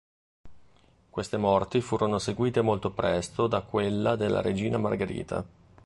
Queste morti furono seguite molto presto da quella della regina Margherita.